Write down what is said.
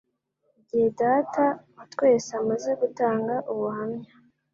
Igihe Data wa twese amaze gutanga ubuhamya,